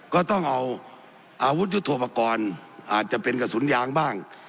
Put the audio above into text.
ก็ต้องเอาอาวุธยุทธโปรกรณ์อาจจะเป็นกระสุนยางบ้าง